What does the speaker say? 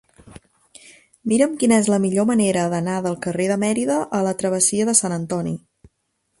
Mira'm quina és la millor manera d'anar del carrer de Mérida a la travessia de Sant Antoni.